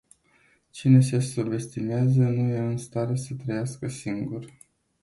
Cine se subestimează, nu e în stare să trăiască singur.